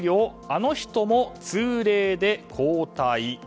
あの人も通例で交代。